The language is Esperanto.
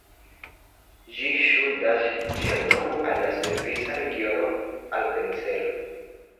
Ĝi ŝuldas ĝian nomon al la svisa regiono Apencelo.